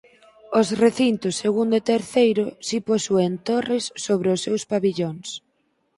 Os recintos segundo e terceiro si posúen torres sobre os seus pavillóns.